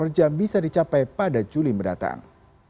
kerja bisa dicapai pada juli mendatang